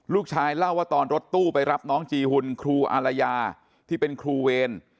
เล่าว่าตอนรถตู้ไปรับน้องจีหุ่นครูอารยาที่เป็นครูเวร